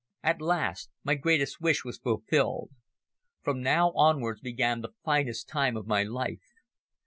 At last my greatest wish was fulfilled. From now onwards began the finest time of my life.